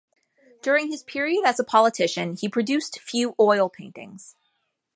During his period as a politician, he produced few oil paintings.